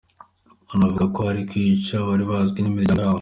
Anavuga ko abari kwica bari bazwi n’imiryango yabo.